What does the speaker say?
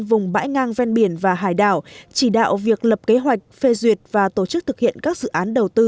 vùng bãi ngang ven biển và hải đảo chỉ đạo việc lập kế hoạch phê duyệt và tổ chức thực hiện các dự án đầu tư